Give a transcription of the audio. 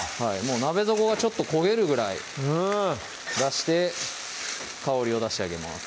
鍋底がちょっと焦げるぐらいうん香りを出してあげます